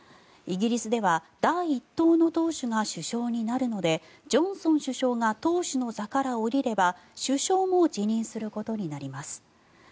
イギリスでは第１党の党首が首相になるのでジョンソン首相が党首の座から降りれば首相も辞任することになります。